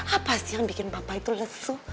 apa sih yang bikin bapak itu lesu